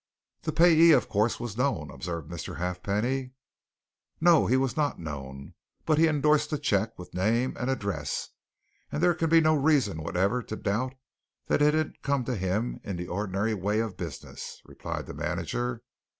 "The payee, of course, was known?" observed Mr. Halfpenny. "No, he was not known, but he endorsed the cheque with name and address, and there can be no reason whatever to doubt that it had come to him in the ordinary way of business," replied the manager.